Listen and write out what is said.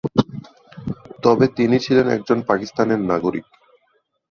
তবে তিনি ছিলেন একজন পাকিস্তানের নাগরিক।